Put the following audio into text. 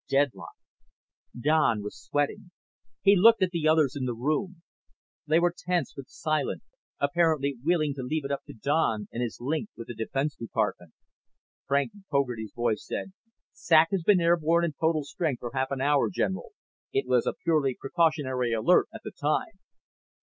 Deadlock. Don was sweating. He looked at the others in the room. They were tense but silent, apparently willing to leave it up to Don and his link with the Defense Department. Frank Fogarty's voice said: "SAC has been airborne in total strength for half an hour, General. It was a purely precautionary alert at the time."